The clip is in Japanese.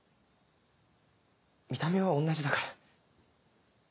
見た目はおんなじだから。